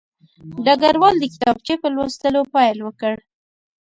ډګروال د کتابچې په لوستلو پیل وکړ